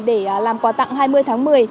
để làm quà tặng hai mươi tháng một mươi